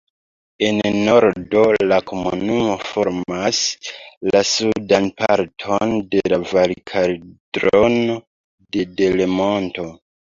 En nordo la komunumo formas la sudan parton de la Valkaldrono de Delemonto.